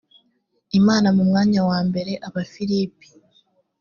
imana mu mwanya wa mbere abafilipi